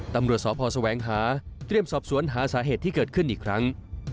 ตำรวจสพแสวงหาเตรียมสอบสวนหาสาเหตุที่เกิดขึ้นอีกครั้ง